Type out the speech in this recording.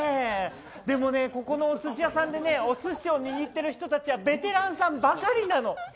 でもね、ここのお寿司屋さんでお寿司を握ってるのはベテランさんばかりなの。